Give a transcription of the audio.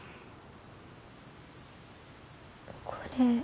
これ。